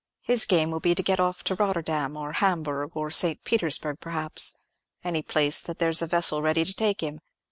"His game will be to get off to Rotterdam, or Hamburgh, or St. Petersburg, perhaps; any place that there's a vessel ready to take him.